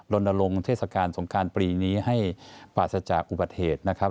ลงเทศกาลสงการปีนี้ให้ปราศจากอุบัติเหตุนะครับ